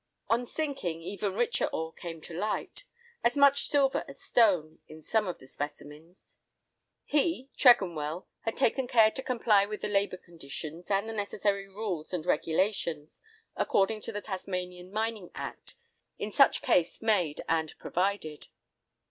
On sinking, even richer ore came to light, "as much silver as stone" in some of the specimens. He, Tregonwell, had taken care to comply with the labour conditions, and the necessary rules and regulations, according to the Tasmanian Mining Act, in such case made and provided.